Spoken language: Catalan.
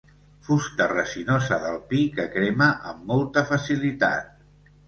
Fusta resinosa del pi, que crema amb molta facilitat.